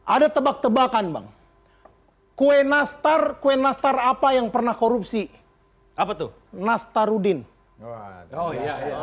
ada tebak tebakan bang kue nastar kue nastar apa yang pernah korupsi apa tuh nastarudin oh iya